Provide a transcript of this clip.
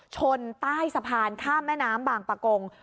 ชนใต้สะพานข้ามแม่น้ำบางประกง